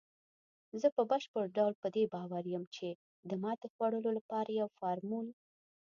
زه په بشپړ ډول په دې باور یم، چې د ماتې خوړلو لپاره یو فارمول